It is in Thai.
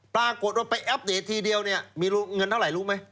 ปรากฏว่าไปอัปเดตทีเดียวเนี่ยมีเงินเท่าไหร่รู้ไหม